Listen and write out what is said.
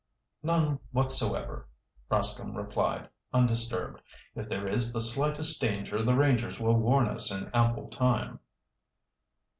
"None whatsoever," Rascomb replied, undisturbed. "If there is the slightest danger the rangers will warn us in ample time."